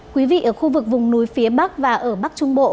quý vị ở khu vực vùng núi phía bắc và ở bắc trung bộ